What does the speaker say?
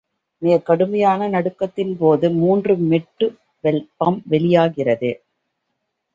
மிகக் கடுமையான நடுக்கத்தின்போது, மூன்று மெட்டு வெப்பம் வெளியாகிறது.